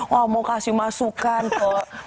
wah mau kasih masukan kok